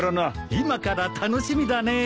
今から楽しみだねえ。